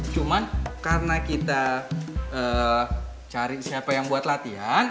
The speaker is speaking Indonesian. cuma karena kita cari siapa yang buat latihan